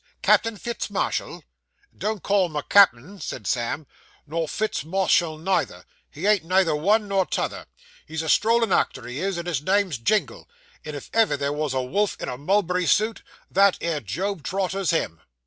Captain Fitz Marshall!' 'Don't call him a cap'en,' said Sam, 'nor Fitz Marshall neither; he ain't neither one nor t'other. He's a strolling actor, he is, and his name's Jingle; and if ever there was a wolf in a mulberry suit, that 'ere Job Trotter's him.